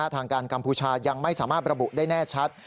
ทางการกัมพูชายังไม่สามารถระบุได้แน่ชัด